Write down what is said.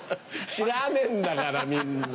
知らねえんだからみんな。